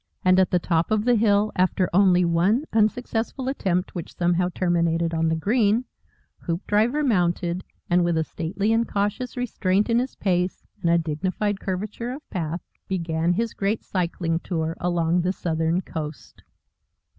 And at the top of the hill, after only one unsuccessful attempt, which, somehow, terminated on the green, Hoopdriver mounted, and with a stately and cautious restraint in his pace, and a dignified curvature of path, began his great Cycling Tour along the Southern Coast.